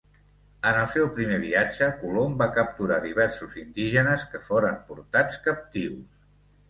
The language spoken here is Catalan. En el seu primer viatge Colom va capturar diversos indígenes que foren portats captius.